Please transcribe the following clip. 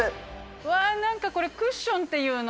うわー、なんかこれ、クッションっていうの？